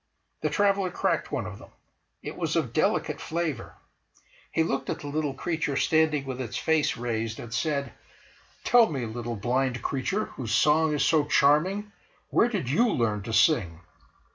The traveller cracked one of them. It was of delicate flavour. He looked at the little creature standing with its face raised, and said: "Tell me, little blind creature, whose song is so charming, where did you learn to sing?"